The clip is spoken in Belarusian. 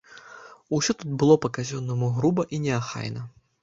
Усё тут было па-казённаму груба і неахайна.